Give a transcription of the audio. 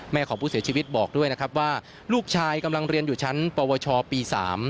ของผู้เสียชีวิตบอกด้วยนะครับว่าลูกชายกำลังเรียนอยู่ชั้นปวชปี๓